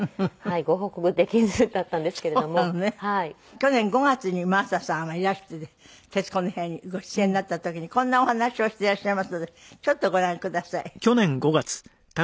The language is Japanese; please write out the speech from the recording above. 去年５月に真麻さんはいらしていて『徹子の部屋』にご出演になった時にこんなお話をしていらっしゃいますのでちょっとご覧ください。